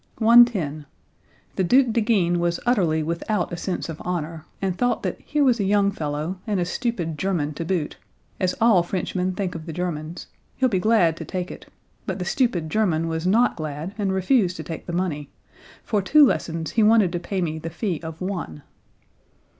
110. "The Duke de Guines was utterly without a sense of honor and thought that here was a young fellow, and a stupid German to boot, as all Frenchmen think of the Germans, he'll be glad to take it. But the stupid German was not glad and refused to take the money. For two lessons he wanted to pay me the fee of one."